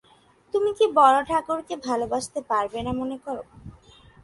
তুমি কি বড়োঠাকুরকে ভালোবাসতে পারবে না মনে কর?